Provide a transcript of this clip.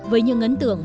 với những ấn tượng